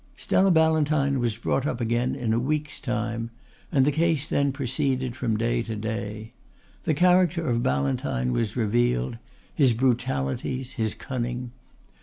Stella Ballantyne was brought up again in a week's time and the case then proceeded from day to day. The character of Ballantyne was revealed, his brutalities, his cunning.